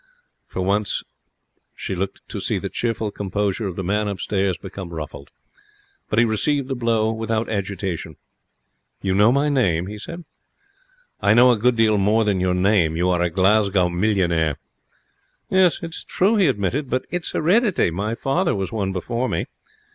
For once she looked to see the cheerful composure of the man upstairs become ruffled; but he received the blow without agitation. 'You know my name?' he said. 'I know a good deal more than your name. You are a Glasgow millionaire.' 'It's true,' he admitted, 'but it's hereditary. My father was one before me.'